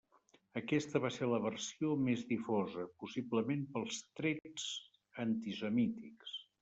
Aquesta va ser la versió més difosa, possiblement pels trets antisemítics.